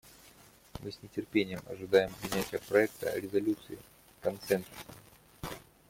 Мы с нетерпением ожидаем принятия проекта резолюции консенсусом.